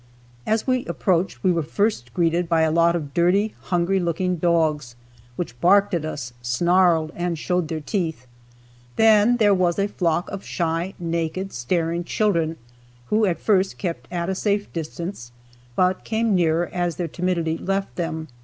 As we approached we were first greeted by a lot of dirty, hungry looking dogs, which barked at us, snarled and showed their teeth. Then there was a flock of shy, naked, staring children who at first kept at a safe distance, but came nearer as their timidity left them.